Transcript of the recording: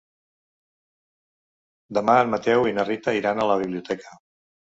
Demà en Mateu i na Rita iran a la biblioteca.